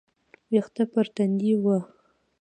ويښته پر تندي وه.